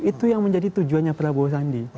itu yang menjadi tujuannya prabowo sandi